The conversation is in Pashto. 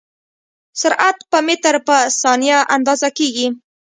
سرعت په متر په ثانیه اندازه کېږي.